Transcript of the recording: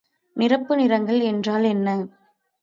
நிரப்பு நிறங்கள் என்றால் என்ன?